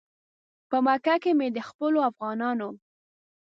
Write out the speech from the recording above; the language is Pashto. په مکه کې مې د خپلو افغانانو.